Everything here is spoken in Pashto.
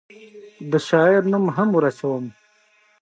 دوې هم څۀ موده پۀ زندان کښې تېره کړه